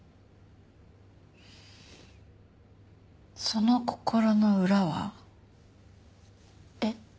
その心の裏は？えっ？